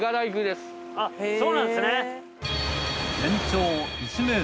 そうなんですね。